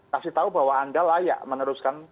kasih tahu bahwa anda layak meneruskan